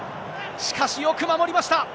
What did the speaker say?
しかし、よく守りました。